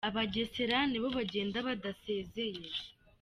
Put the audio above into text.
abagesera nibo bagenda badasezeye